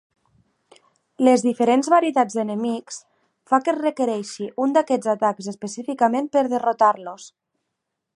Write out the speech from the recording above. Les diferents varietats d'enemics fa que es requereixi un d'aquests atacs específicament per derrotar-los.